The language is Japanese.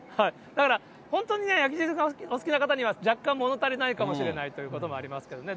だから本当にヤギ汁がお好きな方には、若干もの足りないかもしれないということもありますけれどもね。